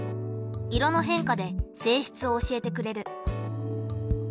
色の変化で性質を教えてくれる。